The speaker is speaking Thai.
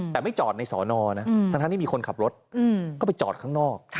แต่ไม่จอดในสอนอนะทั้งที่มีคนขับรถก็ไปจอดข้างนอก